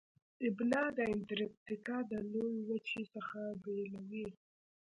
ابنا د انتارکتیکا د لویې وچې څخه بیلوي.